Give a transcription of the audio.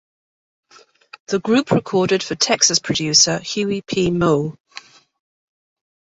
The group recorded for Texas producer Huey P. Meaux.